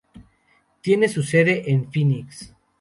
Tiene su sede en Phoenix.